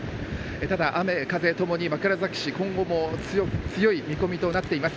ただ雨風ともに枕崎市今後も強い見込みとなっています。